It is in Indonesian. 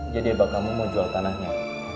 jadi bakal mau jual tanahnya